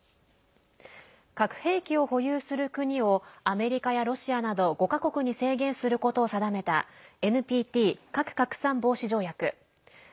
核兵器を保有する国をアメリカやロシアなど５か国に制限することを定めたＮＰＴ＝核拡散防止条約。